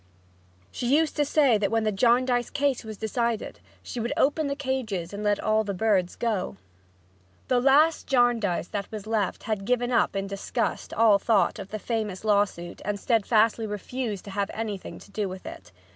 She used to say that when the Jarndyce case was decided she would open the cages and let the birds all go. The last Jarndyce that was left had given up in disgust all thought of the famous lawsuit and steadfastly refused to have anything to do with it.